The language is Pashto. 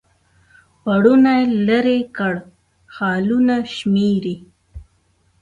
پوړونی لیري کړ خالونه شمیري